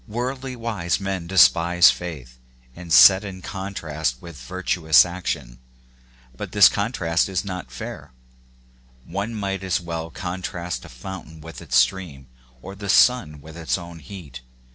Worldly wise men despise faith, and set it in contrast with virtuous action ; but this contrast is not fair : one might as well contrast a fountain with its stream, or the sun with its own heat.